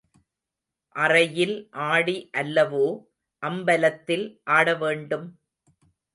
அறையில் ஆடி அல்லவோ அம்பலத்தில் ஆடவேண்டும்?